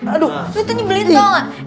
aduh lo itu nyebelin tau gak